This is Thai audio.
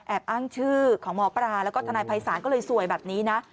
อ้างชื่อของหมอปลาแล้วก็ทนายภัยศาลก็เลยสวยแบบนี้นะ